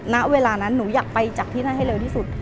ณเวลานั้นหนูอยากไปจากที่นั่นให้เร็วที่สุด